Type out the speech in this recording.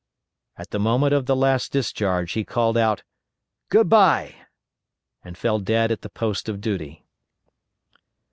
"_ At the moment of the last discharge he called out, "Good by!" and fell dead at the post of duty.